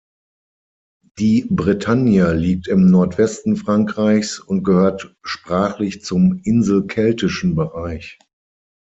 Die Bretagne liegt im Nordwesten Frankreichs und gehört sprachlich zum inselkeltischen Bereich.